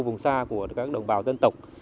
vùng xa của các đồng bào dân tộc